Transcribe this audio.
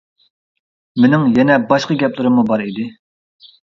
مېنىڭ يەنە باشقا گەپلىرىممۇ بار ئىدى.